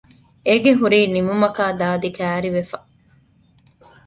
އެގެ ހުރީ ނިމުމަކާ ދާދި ކައިރިވެފަ